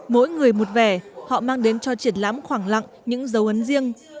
mỗi người một vẻ họ mang đến cho triển lãm khoảng lặng những dấu ấn riêng